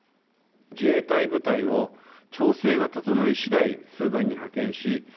自衛隊部隊を調整が整いしだい、スーダンに派遣し。